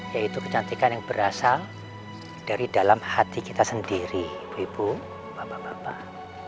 yaitu kecantikan yang berasal dari dalam hati kita sendiri ibu ibu bapak bapak